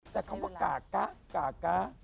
แต่คำว่ากะกะกะกะ